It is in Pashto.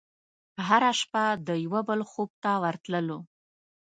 هره شپه د یوه بل خوب ته ورتللو